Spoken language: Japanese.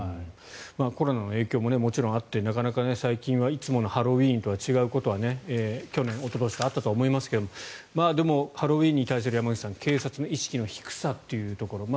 コロナの影響ももちろんあってなかなか最近はいつものハロウィーンとは違うことは去年、おととしとあったと思いますがでも、ハロウィーンに対する警察の意識の低さというところ。